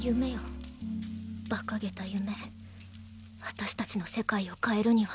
私たちの世界を変えるには。